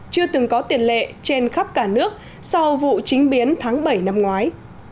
chưa từng có tiền lệ trên khắp cả nước sau vụ chính biến tháng bảy năm ngoái